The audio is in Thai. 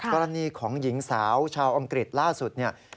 กรณีของหญิงสาวชาวอังกฤษล่าสุดเนี่ย